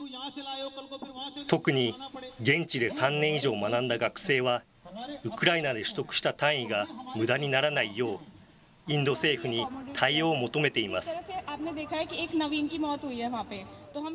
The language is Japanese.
特に現地で３年以上学んだ学生は、ウクライナで取得した単位がむだにならないよう、インド政府に対応を求めています。